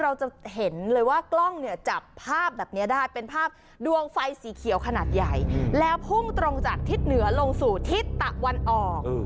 เราจะเห็นเลยว่ากล้องเนี่ยจับภาพแบบนี้ได้เป็นภาพดวงไฟสีเขียวขนาดใหญ่แล้วพุ่งตรงจากทิศเหนือลงสู่ทิศตะวันออก